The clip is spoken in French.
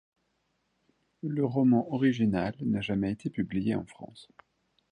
Le roman original n'a jamais été publié en France.